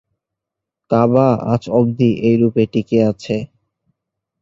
কাবা আজ অবধি এই রূপে টিকে আছে।